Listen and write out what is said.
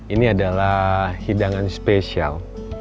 ini adalah hidangan spesial